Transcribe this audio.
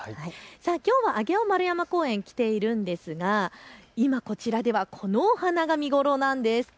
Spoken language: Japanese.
きょうは上尾丸山公園に来ているんですが今こちらではこのお花が見頃なんです。